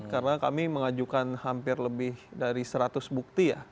karena kami mengajukan hampir lebih dari seratus bukti